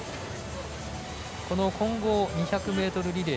混合２００ｍリレー